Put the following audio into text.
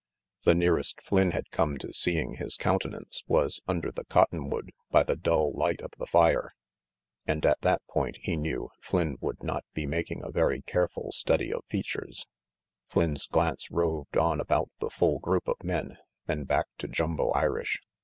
The nearest Flynn had come to seeing his countenance w>as jmder the cottonwood, by the dull light of the fire, 202 RANGY PETE and at that point, he knew, Flynn would not be making a very careful study of features. Flynn 's glance roved on about the full group of men, then back to Jumbo Irish.